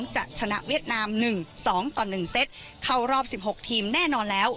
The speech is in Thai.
จะชนะเวียดนาม๑๒ต่อ๑เซตเข้ารอบ๑๖ทีมแน่นอนแล้ว